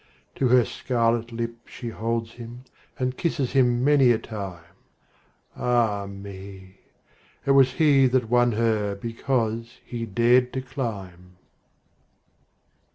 To her scarlet lip she holds him, And kisses him many a time—Ah, me! it was he that won herBecause he dared to climb!